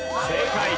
正解。